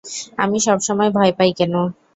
আমি সবসময় ভয় পাই কেন?